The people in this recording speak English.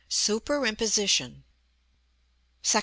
SUPERIMPOSITION. § I.